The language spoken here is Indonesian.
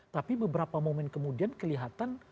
tapi beberapa momen kemudian kelihatan